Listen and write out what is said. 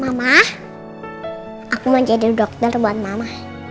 mama aku mau jadi dokter buat mama